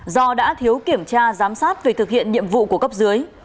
do đã thiếu kiểm tra giám sát về thực hiện nhiệm vụ của cấp dưới